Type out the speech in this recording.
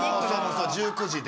１９時で。